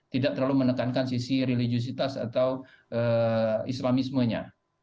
tidak terlalu menekankan sisi religiositas atau islamismenya